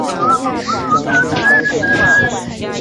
但最后这部作品读者甚少。